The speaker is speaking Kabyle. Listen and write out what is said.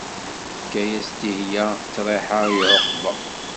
Tefka-as Dihyia ṭriḥa i ɛuqba.